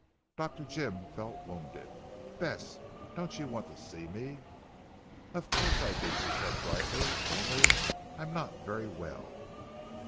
Dr. Jim felt wounded. "Bess! Don't you want to see me." "Of course I do," she said brightly, "only, I'm not very well."